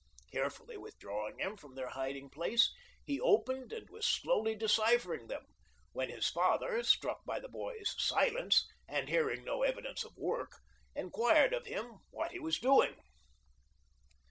Carefully withdrawing them from their hiding place he opened and was slowly deciphering them, when his father, struck by the boy's silence, and hearing no evidence of work, en quired of him what he was doing.